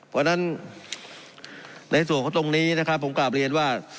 เพราะฉะนั้นในส่วนของตรงนี้นะครับผมกลับเรียนว่า